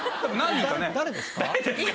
誰ですか？